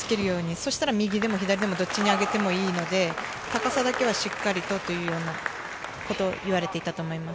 そしたら右でも左でも、どっちにあげてもいいので、高さだけはしっかり取るように言われていたと思います。